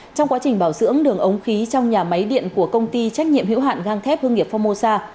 trong quá trình bảo dưỡng đường ống khí trong nhà máy điện của công ty trách nhiệm hữu hạn gang thép hương nghiệp phongmosa